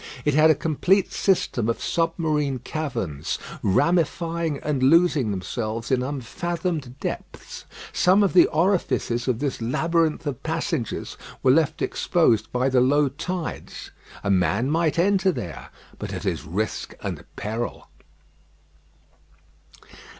It had a complete system of submarine caverns ramifying and losing themselves in unfathomed depths. Some of the orifices of this labyrinth of passages were left exposed by the low tides. A man might enter there, but at his risk and peril.